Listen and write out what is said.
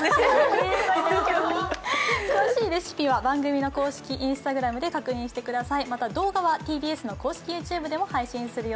詳しいレシピは番組の公式Ｉｎｓｔａｇｒａｍで確認してください。